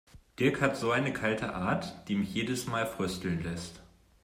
Dirk hat so eine kalte Art, die mich jedes Mal frösteln lässt.